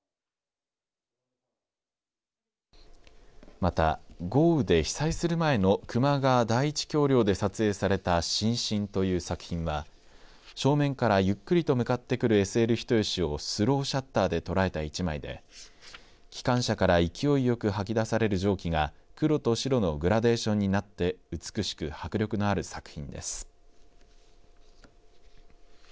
また豪雨で被災する前の球磨川第１橋りょうで撮影された神進という作品は正面からゆっくりと向かってくるＳＬ人吉をスローシャッターで捉えた一枚で機関車から勢いよくはき出される蒸気が黒と白のグラデーションになって美しく迫力のある作品です。